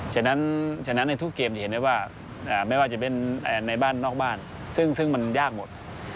ฉะนั้นฉะนั้นในทุกเกมจะเห็นได้ว่าไม่ว่าจะเป็นในบ้านนอกบ้านซึ่งมันยากหมด